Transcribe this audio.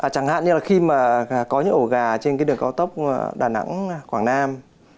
chẳng hạn như là khi mà có những ổ gà trên cái đường cao tốc đà nẵng quảng nam